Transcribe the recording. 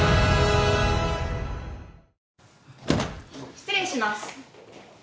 ・・失礼します。